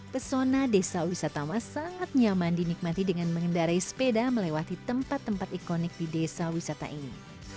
pesona desa wisata mas sangat nyaman dinikmati dengan mengendarai sepeda melewati tempat tempat ikonik di desa wisata ini